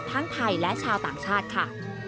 ทั้งไทยและชาวต่างชาติค่ะ